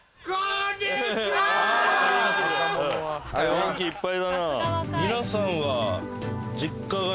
元気いっぱいだな。